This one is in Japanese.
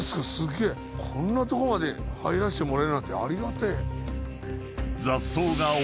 こんなとこまで入らせてもらえるなんてありがてえ。